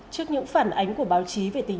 trước những phản ánh của báo chí về tình hình